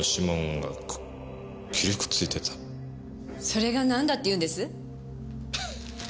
それがなんだっていうんです？